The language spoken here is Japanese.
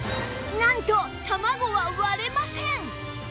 なんと卵は割れません！